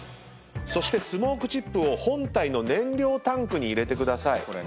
そしてスモークチップを本体の燃料タンクに入れてください。